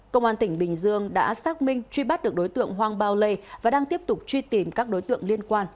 công an tỉnh bình dương đã xác minh truy bắt được đối tượng hoàng bao lê và đang tiếp tục truy tìm các đối tượng liên quan